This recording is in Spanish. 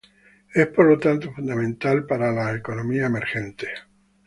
Es por tanto fundamental para las economías emergentes.